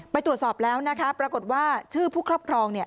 ไปตรวจสอบแล้วนะคะปรากฏว่าชื่อผู้ครอบครอง